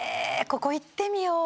ここ行ってみよう。